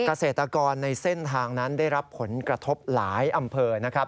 เกษตรกรในเส้นทางนั้นได้รับผลกระทบหลายอำเภอนะครับ